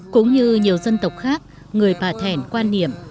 cũng như nhiều dân tộc khác người bà thẻn quan niệm